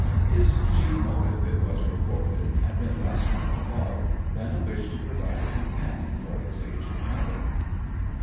His chief motive, it was reported, had been less one of love than a wish to provide a companion for his aged mother.